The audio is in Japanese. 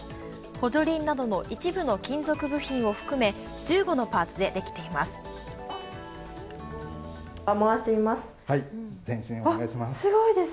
補助輪などの一部の金属部品を含め、１５のパーツでできています。